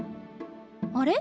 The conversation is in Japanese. あれ？